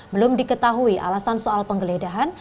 belum diketahui alasan soal penggeledahan